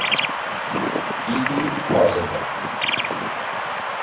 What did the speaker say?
Petey Rosenberg